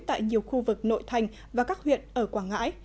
tại nhiều khu vực nội thành và các huyện ở quảng ngãi